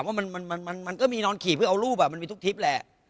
เพราะมันก็มีนอนขี่เพื่อเอารูปมันมีทุกทริปแหละ